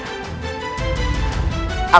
aku harus ke sana